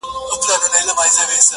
یوه شېبه چي دي نقاب سي د خمارو سترګو٫